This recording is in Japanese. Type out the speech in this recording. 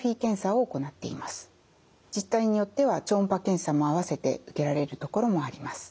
自治体によっては超音波検査も併せて受けられるところもあります。